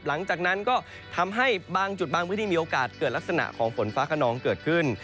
หลังจากนั้นก็ทำให้บางจุดบางพื้นที่มีโอกาสเกิดลักษณะของฝนฟ้าขนองเกิดขึ้น